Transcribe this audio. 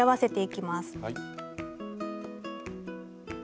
はい。